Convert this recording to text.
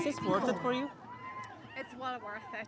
jika melihatnya lebih berkomersial